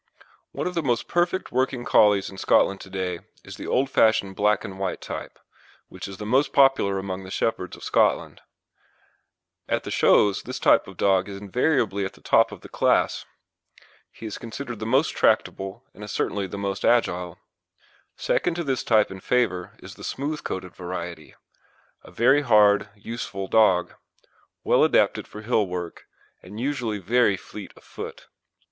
One of the most perfect working Collies in Scotland to day is the old fashioned black and white type, which is the most popular among the shepherds of Scotland. At the shows this type of dog is invariably at the top of the class. He is considered the most tractable, and is certainly the most agile. Second to this type in favour is the smooth coated variety, a very hard, useful dog, well adapted for hill work and usually very fleet of foot.